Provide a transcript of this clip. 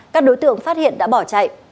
các đối tượng phát hiện đã bỏ chạy